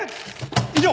以上！